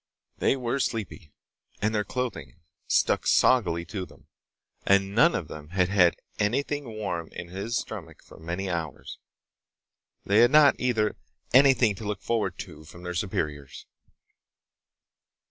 They were sleepy and their clothing stuck soggily to them, and none of them had had anything warm in his stomach for many hours. They had not, either, anything to look forward to from their superiors.